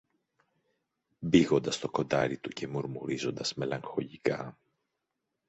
μπήγοντας το κοντάρι του και μουρμουρίζοντας μελαγχολικά